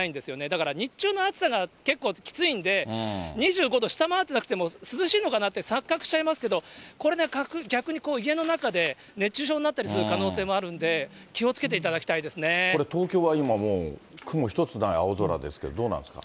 だから日中の暑さが結構きついんで、２５度下回ってなくても涼しいのかなって錯覚しちゃいますけど、これね、逆に家の中で熱中症になったりする可能性もあるんで、気これ、東京は今もう雲一つない青空ですけど、どうなんですか？